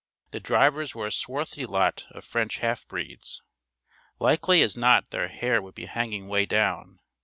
The drivers were a swarthy lot of French half breeds. Likely as not their hair would be hanging way down.